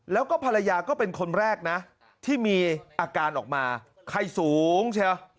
แล้วก็ภรรยาก็เป็นคนแรกนะที่มีอาการออกมาไข้สูงเชียว